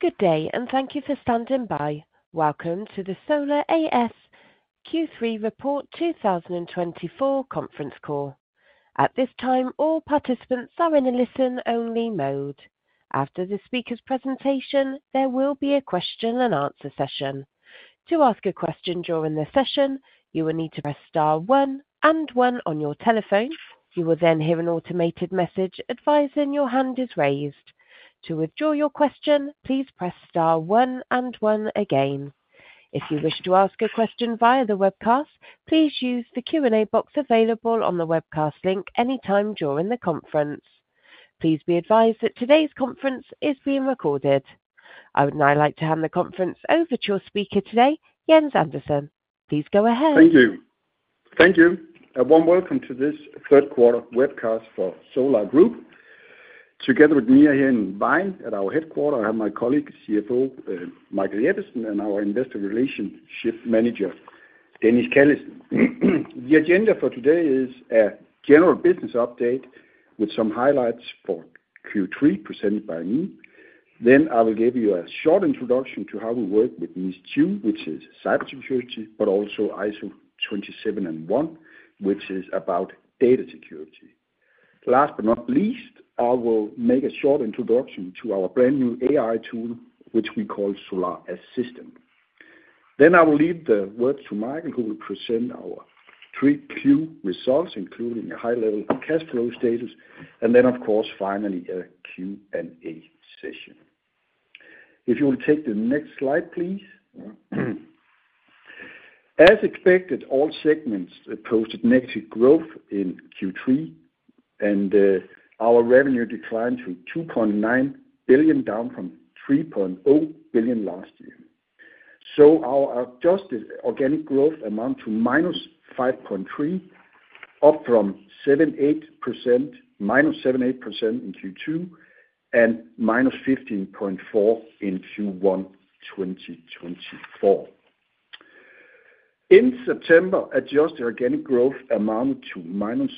Good day, and thank you for standing by. Welcome to the Solar A/S Q3 Report 2024 Conference Call. At this time, all participants are in a listen-only mode. After the speaker's presentation, there will be a question-and-answer session. To ask a question during the session, you will need to press star one and one on your telephone. You will then hear an automated message advising your hand is raised. To withdraw your question, please press star one and one again. If you wish to ask a question via the webcast, please use the Q&A box available on the webcast link anytime during the conference. Please be advised that today's conference is being recorded. I would now like to hand the conference over to your speaker today, Jens Andersen. Please go ahead. Thank you. Thank you. A warm welcome to this Q3 webcast for Solar Group. Together with Mia here in Vejen at our headquarters, I have my colleague, CFO Michael Jeppesen, and our investor relationship manager, Dennis Callesen. The agenda for today is a general business update with some highlights for Q3 presented by me. Then I will give you a short introduction to how we work with NIS2, which is cybersecurity, but also ISO 27001, which is about data security. Last but not least, I will make a short introduction to our brand new AI tool, which we call Solar Assistant. Then I will leave the words to Michael, who will present our Q3 results, including a high-level cash flow status, and then, of course, finally a Q&A session. If you will take the next slide, please. As expected, all segments posted negative growth in Q3, and our revenue declined to 2.9 billion, down from 3.0 billion last year. Our adjusted organic growth amounted to minus 5.3%, up from minus 7.8% in Q2, and minus 15.4% in Q1 2024. In September, adjusted organic growth amounted to minus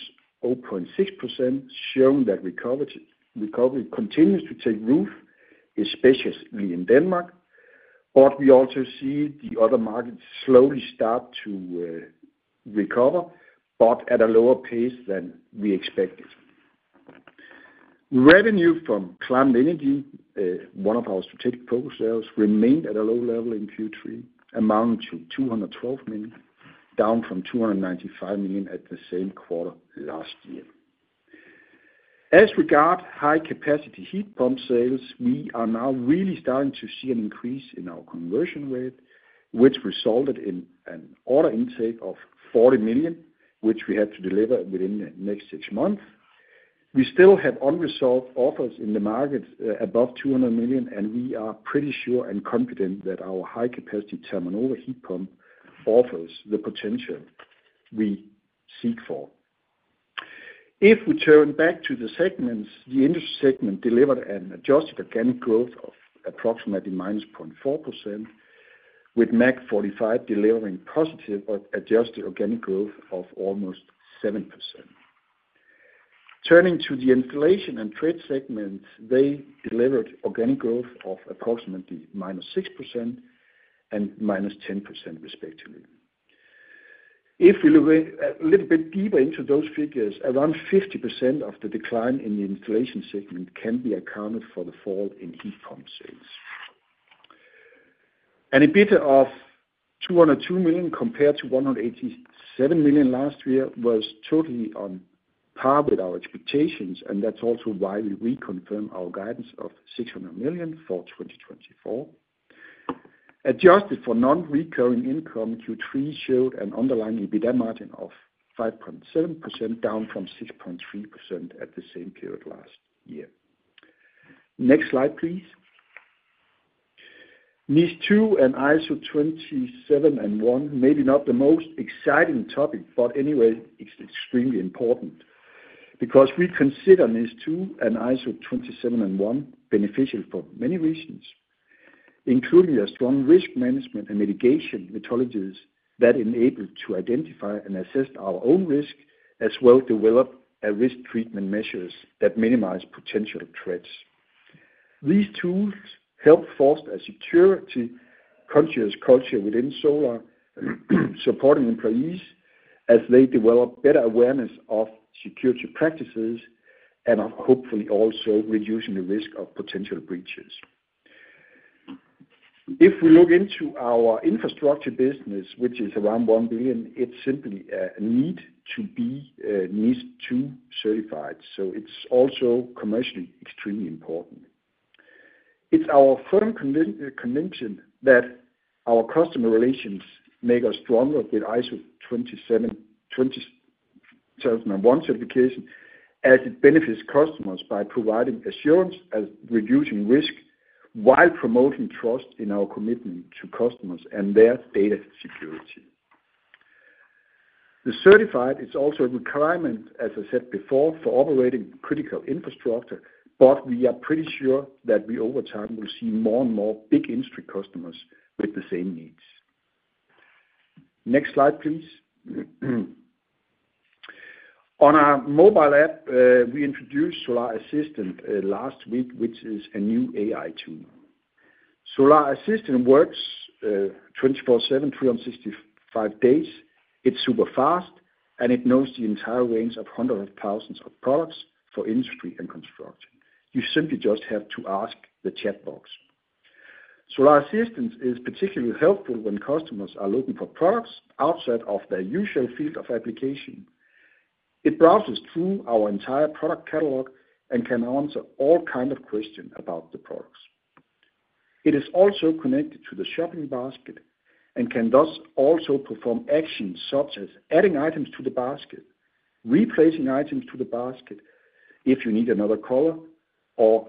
0.6%, showing that recovery continues to take root, especially in Denmark. We also see the other markets slowly start to recover, but at a lower pace than we expected. Revenue from climate energy, one of our strategic focus areas, remained at a low level in Q3, amounting to 212 million, down from 295 million at the same quarter last year. As regards high-capacity heat pump sales, we are now really starting to see an increase in our conversion rate, which resulted in an order intake of 40 million, which we had to deliver within the next six months. We still have unresolved offers in the market above 200 million, and we are pretty sure and confident that our high-capacity turnover heat pump offers the potential we seek for. If we turn back to the segments, the industry segment delivered an adjusted organic growth of approximately minus 0.4%, with MAG45 delivering positive adjusted organic growth of almost 7%. Turning to the installation and trade segments, they delivered organic growth of approximately minus 6% and minus 10%, respectively. If we look a little bit deeper into those figures, around 50% of the decline in the installation segment can be accounted for the fall in heat pump sales. A bid of 202 million compared to 187 million last year was totally on par with our expectations, and that's also why we reconfirmed our guidance of 600 million for 2024. Adjusted for non-recurring income, Q3 showed an underlying EBITDA margin of 5.7%, down from 6.3% at the same period last year. Next slide, please. NIS2 and ISO 27001, maybe not the most exciting topic, but anyway, it's extremely important because we consider NIS2 and ISO 27001 beneficial for many reasons, including a strong risk management and mitigation methodologies that enable us to identify and assess our own risk, as well as develop risk treatment measures that minimize potential threats. These tools help foster a security-conscious culture within Solar, supporting employees as they develop better awareness of security practices and are hopefully also reducing the risk of potential breaches. If we look into our infrastructure business, which is around 1 billion, it's simply a need to be NIS2 certified. So it's also commercially extremely important. It's our firm conviction that our customer relations make us stronger with ISO 27001 certification, as it benefits customers by providing assurance and reducing risk while promoting trust in our commitment to customers and their data security. The certification is also a requirement, as I said before, for operating critical infrastructure, but we are pretty sure that we over time will see more and more big industry customers with the same needs. Next slide, please. On our mobile app, we introduced Solar Assistant last week, which is a new AI tool. Solar Assistant works 24/7, 365 days. It's super fast, and it knows the entire range of hundreds of thousands of products for industry and construction. You simply just have to ask the chat box. Solar Assistant is particularly helpful when customers are looking for products outside of their usual field of application. It browses through our entire product catalog and can answer all kinds of questions about the products. It is also connected to the shopping basket and can thus also perform actions such as adding items to the basket, replacing items to the basket if you need another color or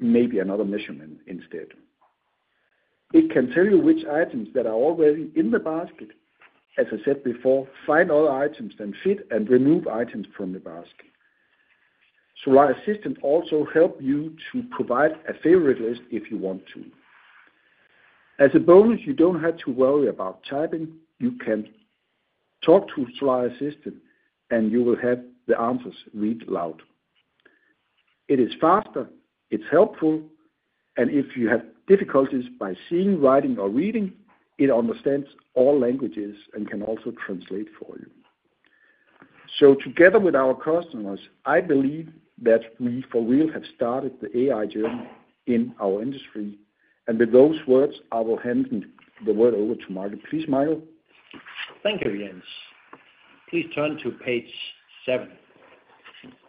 maybe another measurement instead. It can tell you which items that are already in the basket. As I said before, find other items that fit and remove items from the basket. Solar Assistant also helps you to provide a favorite list if you want to. As a bonus, you don't have to worry about typing. You can talk to Solar Assistant, and you will have the answers read aloud. It is faster. It's helpful. And if you have difficulties by seeing, writing, or reading, it understands all languages and can also translate for you. So together with our customers, I believe that we for real have started the AI journey in our industry. And with those words, I will hand the word over to Michael. Please, Michael. Thank you, Jens Andersen. Please turn to page seven.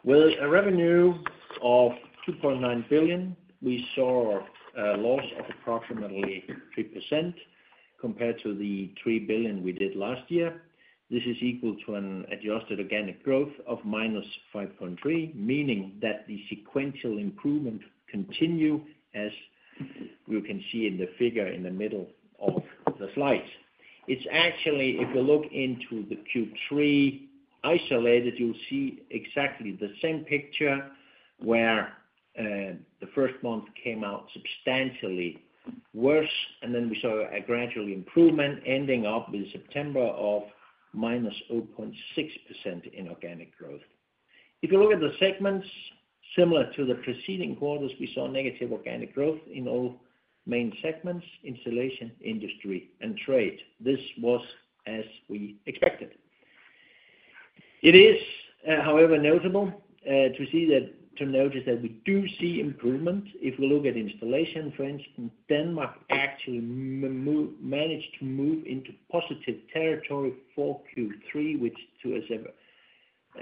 With a revenue of 2.9 billion, we saw a loss of approximately 3% compared to the 3 billion we did last year. This is equal to an adjusted organic growth of minus 5.3%, meaning that the sequential improvement continues, as we can see in the figure in the middle of the slides. It's actually, if you look into the Q3 isolated, you'll see exactly the same picture where the first month came out substantially worse, and then we saw a gradual improvement, ending up with September of minus 0.6% in organic growth. If you look at the segments, similar to the preceding quarters, we saw negative organic growth in all main segments: installation, industry, and trade. This was as we expected. It is, however, notable to notice that we do see improvement. If we look at installation, for instance, Denmark actually managed to move into positive territory for Q3, which is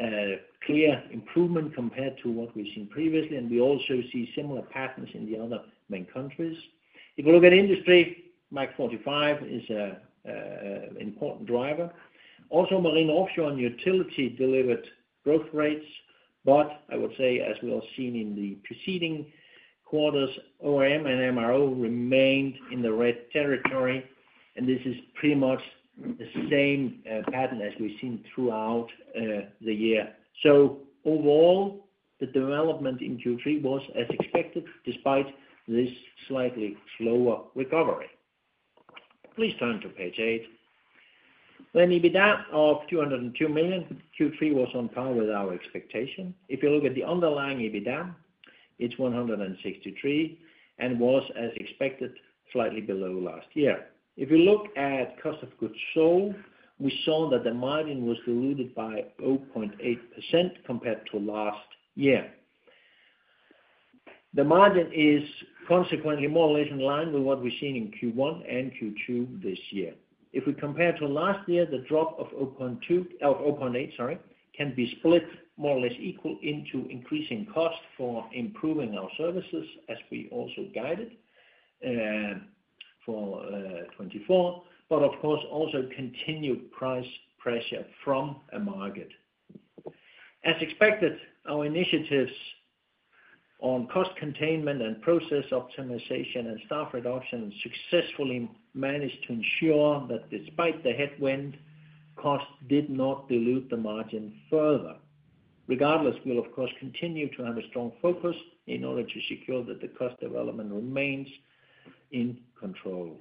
a clear improvement compared to what we've seen previously. And we also see similar patterns in the other main countries. If we look at industry, MAG45 is an important driver. Also, marine offshore and utility delivered growth rates, but I would say, as we've seen in the preceding quarters, OEM and MRO remained in the red territory. And this is pretty much the same pattern as we've seen throughout the year. So overall, the development in Q3 was as expected despite this slightly slower recovery. Please turn to page eight. An EBITDA of 202 million. Q3 was on par with our expectation. If you look at the underlying EBITDA, it's 163 million and was, as expected, slightly below last year. If you look at cost of goods sold, we saw that the margin was diluted by 0.8% compared to last year. The margin is consequently more or less in line with what we've seen in Q1 and Q2 this year. If we compare to last year, the drop of 0.8 can be split more or less equal into increasing cost for improving our services, as we also guided for 2024, but of course, also continued price pressure from a market. As expected, our initiatives on cost containment and process optimization and staff reduction successfully managed to ensure that despite the headwind, cost did not dilute the margin further. Regardless, we'll, of course, continue to have a strong focus in order to secure that the cost development remains in control.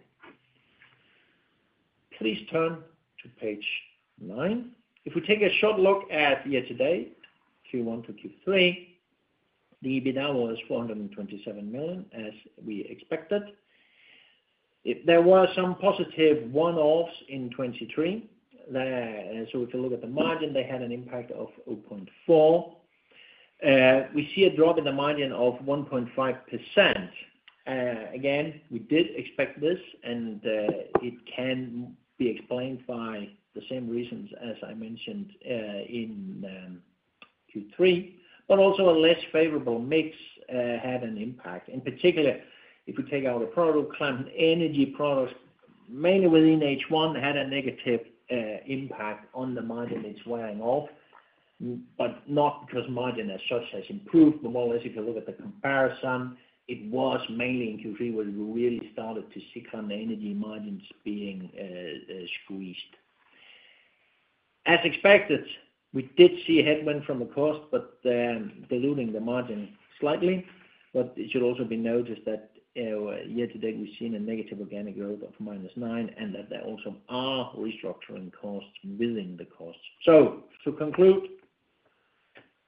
Please turn to page nine. If we take a short look at year to date, Q1 to Q3, the EBITDA was 427 million, as we expected. There were some positive one-offs in 2023, so if you look at the margin, they had an impact of 0.4. We see a drop in the margin of 1.5%. Again, we did expect this, and it can be explained by the same reasons as I mentioned in Q3, but also a less favorable mix had an impact. In particular, if we take out the product climate, energy products, mainly within H1, had a negative impact on the margin that's wearing off, but not because margin has so much as improved, but more or less, if you look at the comparison, it was mainly in Q3 where we really started to see climate energy margins being squeezed. As expected, we did see headwind from the cost, but diluting the margin slightly. But it should also be noted that year to date, we've seen a negative organic growth of -9% and that there also are restructuring costs within the costs. So to conclude,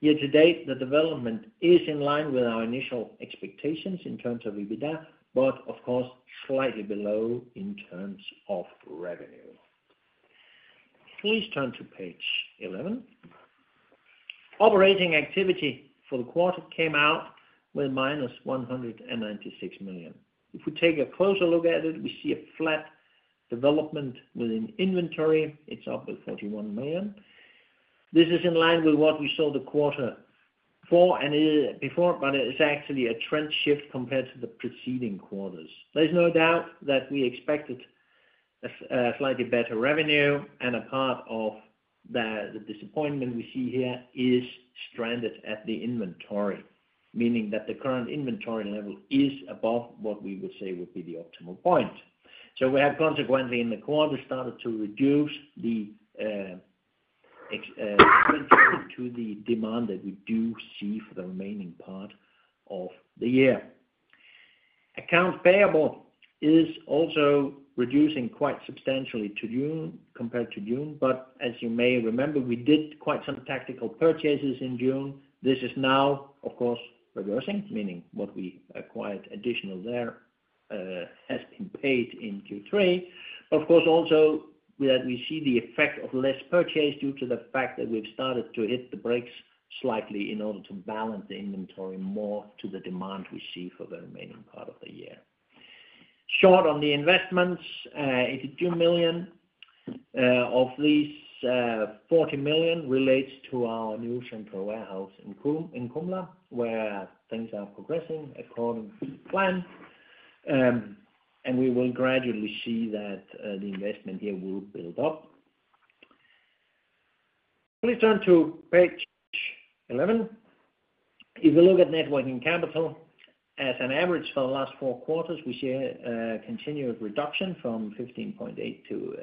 year to date, the development is in line with our initial expectations in terms of EBITDA, but of course, slightly below in terms of revenue. Please turn to page 11. Operating activity for the quarter came out with -196 million. If we take a closer look at it, we see a flat development within inventory. It's up with 41 million. This is in line with what we saw the quarter before, but it's actually a trend shift compared to the preceding quarters. There's no doubt that we expected a slightly better revenue, and a part of the disappointment we see here is stranded at the inventory, meaning that the current inventory level is above what we would say would be the optimal point, so we have consequently in the quarter started to reduce the inventory to the demand that we do see for the remaining part of the year. Accounts payable is also reducing quite substantially uncertain, but as you may remember, we did quite some tactical purchases in June. This is now, of course, reversing, meaning what we acquired additional there has been paid in Q3. Of course, also that we see the effect of less purchase due to the fact that we've started to hit the brakes slightly in order to balance the inventory more to the demand we see for the remaining part of the year. Short on the investments, 82 million of these 40 million relates to our new central warehouse in Kumla where things are progressing according to plan. We will gradually see that the investment here will build up. Please turn to page 11. If we look at net working capital, as an average for the last four quarters, we see a continued reduction from 15.8% to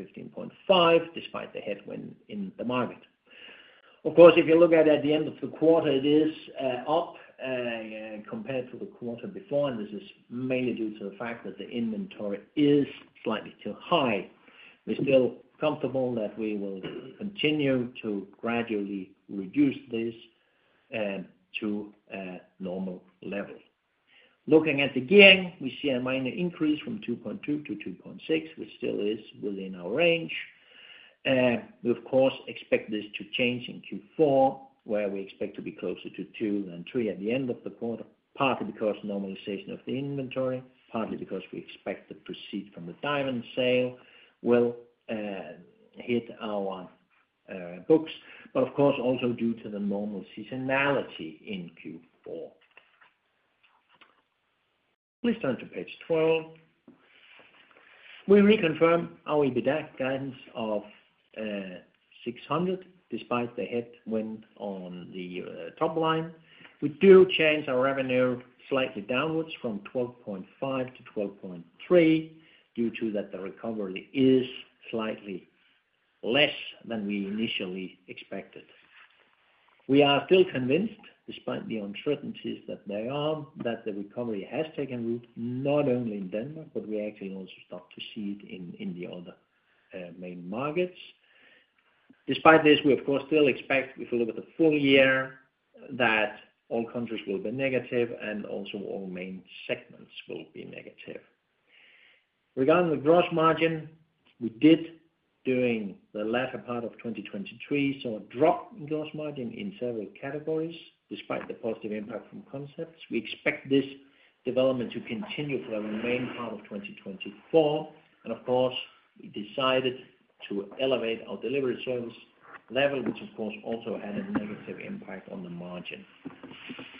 15.5% despite the headwind in the market. Of course, if you look at it at the end of the quarter, it is up compared to the quarter before, and this is mainly due to the fact that the inventory is slightly too high. We're still comfortable that we will continue to gradually reduce this to a normal level. Looking at the gearing, we see a minor increase from 2.2 to 2.6, which still is within our range. We, of course, expect this to change in Q4, where we expect to be closer to 2 than 3 at the end of the quarter, partly because normalization of the inventory, partly because we expect the proceeds from the Dagrofa sale will hit our books, but of course, also due to the normal seasonality in Q4. Please turn to page 12. We reconfirm our EBITDA guidance of 600 despite the headwind on the top line. We do change our revenue slightly downwards from 12.5 to 12.3 due to that the recovery is slightly less than we initially expected. We are still convinced, despite the uncertainties that there are, that the recovery has taken root not only in Denmark, but we actually also start to see it in the other main markets. Despite this, we, of course, still expect, if we look at the full year, that all countries will be negative and also all main segments will be negative. Regarding the gross margin, we did during the latter part of 2023 see a drop in gross margin in several categories despite the positive impact from concepts. We expect this development to continue for the main part of 2024, and of course, we decided to elevate our delivery service level, which of course also had a negative impact on the margin.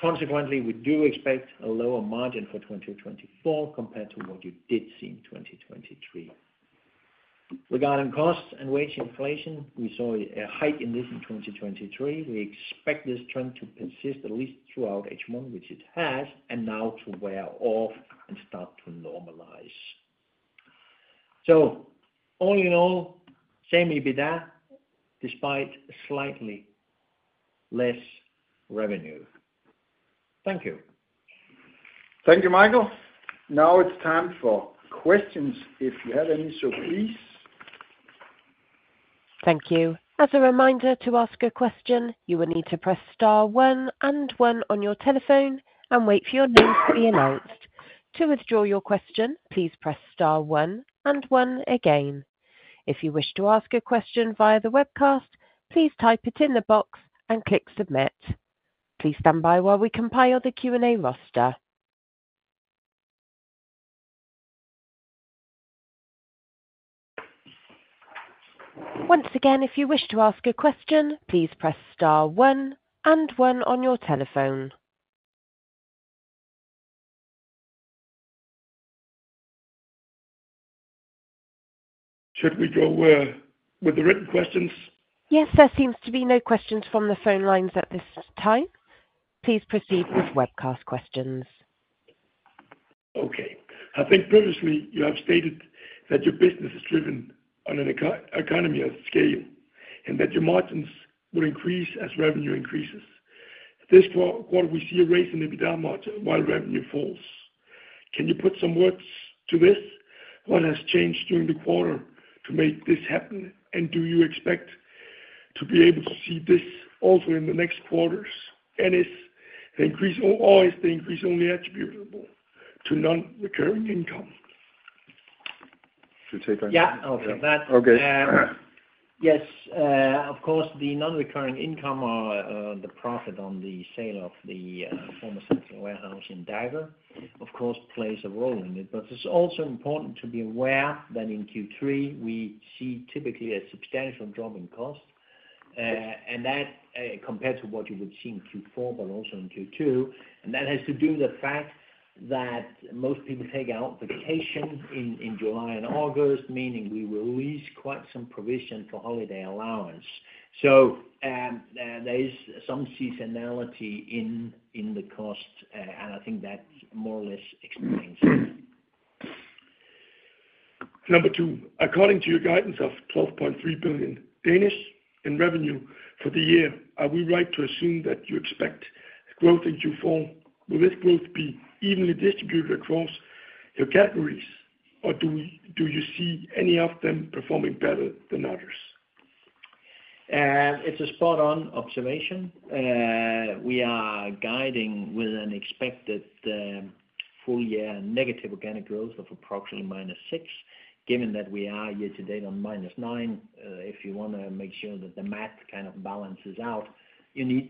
Consequently, we do expect a lower margin for 2024 compared to what you did see in 2023. Regarding costs and wage inflation, we saw a hike in this in 2023. We expect this trend to persist at least throughout H1, which it has, and now to wear off and start to normalize. So all in all, same EBITDA despite slightly less revenue. Thank you. Thank you, Michael. Now it's time for questions. If you have any, so please. Thank you. As a reminder to ask a question, you will need to press star one and one on your telephone and wait for your name to be announced. To withdraw your question, please press star one and one again. If you wish to ask a question via the webcast, please type it in the box and click submit. Please stand by while we compile the Q&A roster. Once again, if you wish to ask a question, please press star one and one on your telephone. Should we go with the written questions? Yes, there seems to be no questions from the phone lines at this time. Please proceed with webcast questions. Okay. I think previously you have stated that your business is driven on an economy of scale and that your margins will increase as revenue increases. This quarter, we see a raise in EBITDA margin while revenue falls. Can you put some words to this? What has changed during the quarter to make this happen? And do you expect to be able to see this also in the next quarters? And is the increase always only attributable to non-recurring income? Should we take that question? Yeah. Okay. Yes. Of course, the non-recurring income or the profit on the sale of the former central warehouse to Dagrofa of course plays a role in it, but it's also important to be aware that in Q3, we see typically a substantial drop in cost, and that compared to what you would see in Q4, but also in Q2, and that has to do with the fact that most people take out vacation in July and August, meaning we will release quite some provision for holiday allowance. so there is some seasonality in the cost, and I think that more or less explains it. Number two, according to your guidance of 12.3 billion in revenue for the year, are we right to assume that you expect growth in Q4? Will this growth be evenly distributed across your categories, or do you see any of them performing better than others? It's a spot-on observation. We are guiding with an expected full-year negative organic growth of approximately -6%, given that we are year to date on -9%. If you want to make sure that the math kind of balances out, you need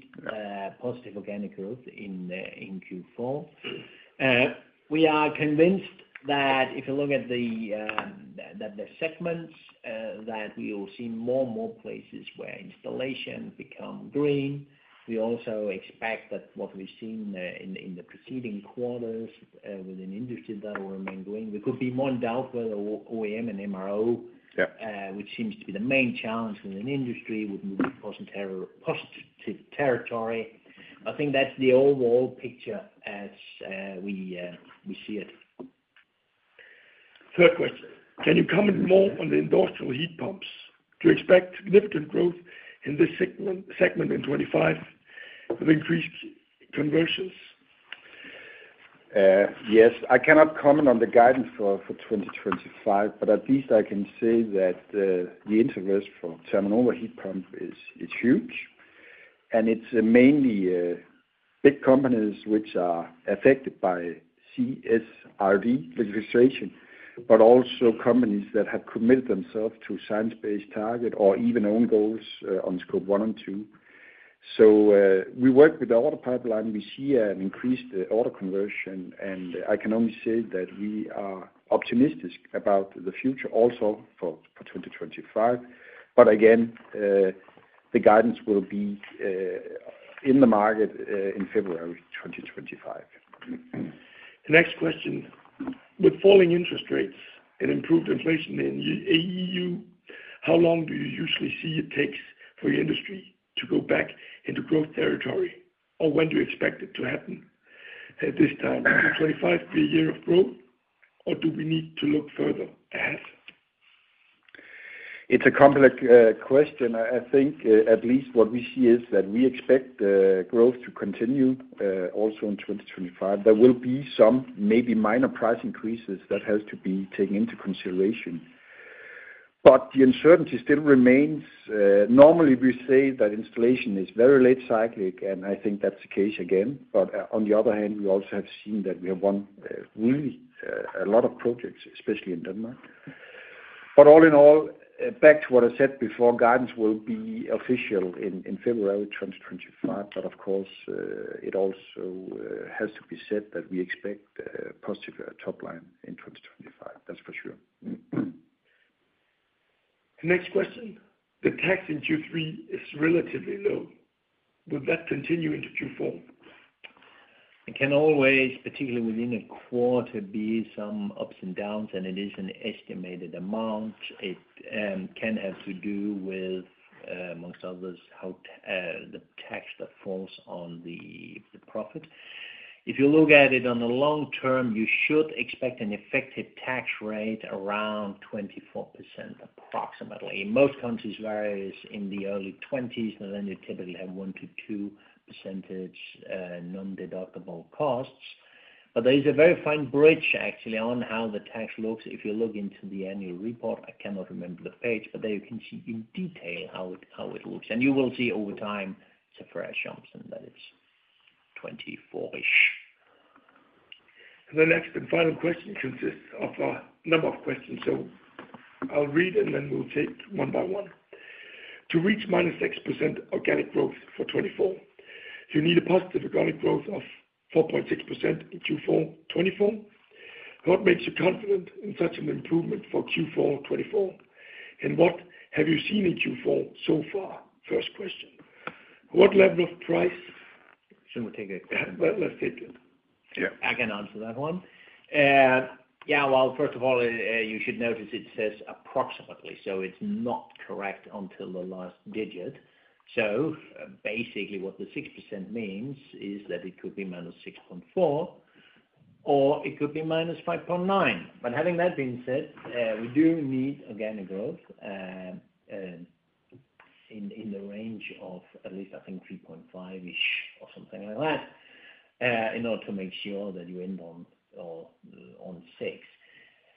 positive organic growth in Q4. We are convinced that if you look at the segments, that we will see more and more places where installation becomes green. We also expect that what we've seen in the preceding quarters within industry that will remain green. We could be more in doubt whether OEM and MRO, which seems to be the main challenge within industry, would move to positive territory. I think that's the overall picture as we see it. Third question. Can you comment more on the industrial heat pumps? Do you expect significant growth in this segment in 2025 with increased conversions? Yes. I cannot comment on the guidance for 2025, but at least I can say that the interest for high-capacity heat pump is huge, and it's mainly big companies which are affected by CSRD legislation, but also companies that have committed themselves to science-based targets or even own goals on Scope 1 and 2, so we work with the order pipeline. We see an increased order conversion, and I can only say that we are optimistic about the future also for 2025, but again, the guidance will be in the market in February 2025. Next question. With falling interest rates and improved inflation in the EU, how long do you usually see it takes for your industry to go back into growth territory, or when do you expect it to happen at this time? Will 2025 be a year of growth, or do we need to look further ahead? It's a complex question. I think at least what we see is that we expect growth to continue also in 2025. There will be some maybe minor price increases that have to be taken into consideration. But the uncertainty still remains. Normally, we say that installation is very late cyclic, and I think that's the case again. But on the other hand, we also have seen that we have won really a lot of projects, especially in Denmark. But all in all, back to what I said before, guidance will be official in February 2025. But of course, it also has to be said that we expect positive top line in 2025. That's for sure. Next question. The tax in Q3 is relatively low. Would that continue into Q4? It can always, particularly within a quarter, be some ups and downs, and it is an estimated amount. It can have to do with, among others, the tax that falls on the profit. If you look at it on the long term, you should expect an effective tax rate around 24% approximately. In most countries, it varies in the early 20s, and then you typically have 1 to 2 percentage non-deductible costs. But there is a very fine bridge, actually, on how the tax looks. If you look into the annual report, I cannot remember the page, but there you can see in detail how it looks, and you will see over time it's a fair jump, and that is 24-ish. The next and final question consists of a number of questions. So, I'll read and then we'll take one by one. To reach -6% organic growth for 2024, you need a positive organic growth of 4.6% in Q4 2024. What makes you confident in such an improvement for Q4 2024? And what have you seen in Q4 so far? First question. What level of price? Should we take it? Let's take it. I can answer that one. Yeah. Well, first of all, you should notice it says approximately, so it's not correct until the last digit. So basically, what the 6% means is that it could be -6.4%, or it could be -5.9%. But having that being said, we do need organic growth in the range of at least, I think, 3.5%-ish or something like that in order to make sure that you end on 6%.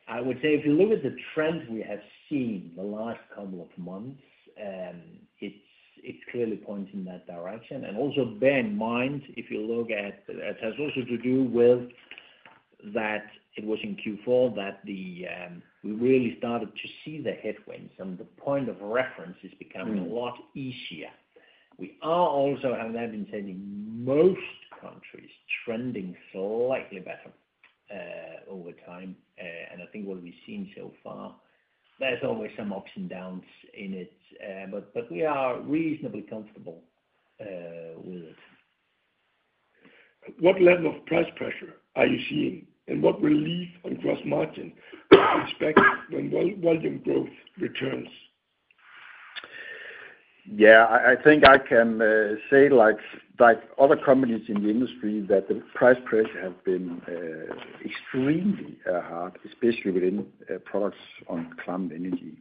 I would say if you look at the trend we have seen the last couple of months, it clearly points in that direction. And also bear in mind, if you look at it has also to do with that it was in Q4 that we really started to see the headwinds, and the point of reference is becoming a lot easier. We are also, having that been said, in most countries, trending slightly better over time. And I think what we've seen so far, there's always some ups and downs in it, but we are reasonably comfortable with it. What level of price pressure are you seeing, and what relief on gross margin do you expect when volume growth returns? Yeah. I think I can say like other companies in the industry that the price pressure has been extremely hard, especially within products on climate energy.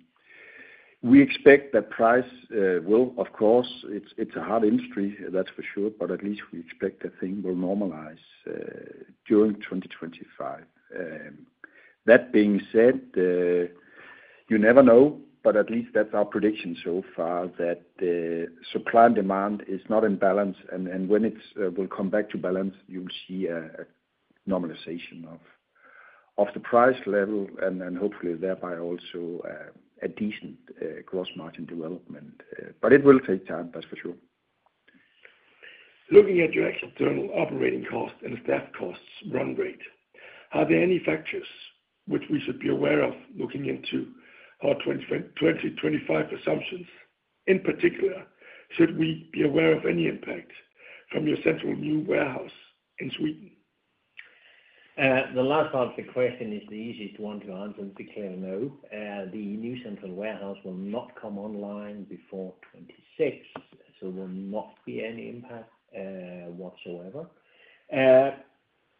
We expect that price will, of course, it's a hard industry, that's for sure, but at least we expect that thing will normalize during 2025. That being said, you never know, but at least that's our prediction so far that supply and demand is not in balance. And when it will come back to balance, you'll see a normalization of the price level and hopefully thereby also a decent gross margin development. But it will take time, that's for sure. Looking at your external operating costs and staff costs run rate, are there any factors which we should be aware of looking into our 2025 assumptions? In particular, should we be aware of any impact from your central new warehouse in Sweden? The last part of the question is the easiest one to answer, and it's clearly no. The new central warehouse will not come online before 2026, so there will not be any impact whatsoever.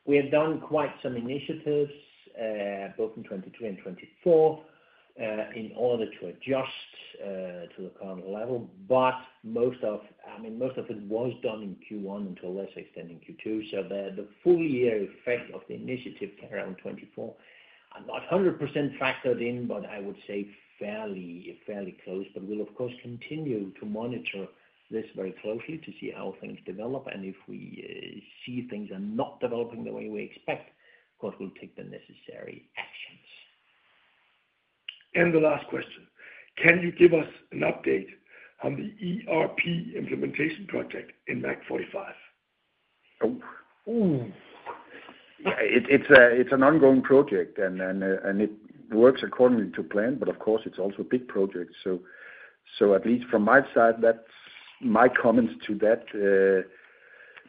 We have done quite some initiatives both in 2023 and 2024 in order to adjust to the current level, but I mean, most of it was done in Q1 and to a lesser extent in Q2. So the full-year effect of the initiative carried out in 2024 are not 100% factored in, but I would say fairly close. But we'll, of course, continue to monitor this very closely to see how things develop. And if we see things are not developing the way we expect, of course, we'll take the necessary actions. The last question. Can you give us an update on the ERP implementation project in MAG45? Oh. It's an ongoing project, and it works accordingly to plan, but of course, it's also a big project. So at least from my side, that's my comments to that.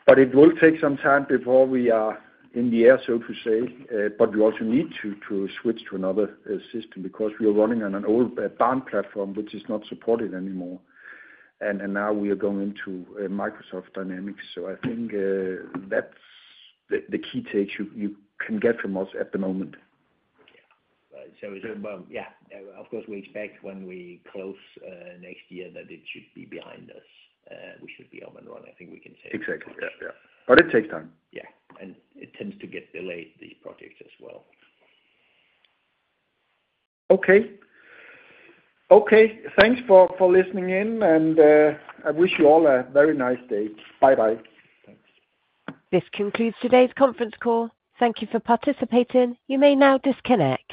But it will take some time before we are in the air, so to say. But we also need to switch to another system because we are running on an old Baan platform, which is not supported anymore. And now we are going into Microsoft Dynamics. So I think that's the key takes you can get from us at the moment. Yeah. So yeah, of course, we expect when we close next year that it should be behind us. We should be up and running. I think we can say that. Exactly. Yeah. But it takes time. Yeah, and it tends to get delayed, these projects as well. Okay. Okay. Thanks for listening in, and I wish you all a very nice day. Bye-bye. Thanks. This concludes today's Conference Call. Thank you for participating. You may now disconnect.